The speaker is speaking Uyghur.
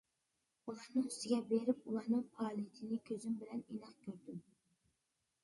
ئۇلارنىڭ ئۈستىگە بېرىپ، ئۇلارنىڭ پائالىيىتىنى كۆزۈم بىلەن ئېنىق كۆردۈم.